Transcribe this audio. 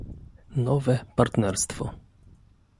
nowe partnerstwo